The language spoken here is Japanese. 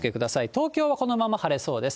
東京はこのまま晴れそうです。